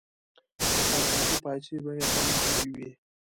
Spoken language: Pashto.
د پرتاګه پایڅې به یې هم ګیبي وې.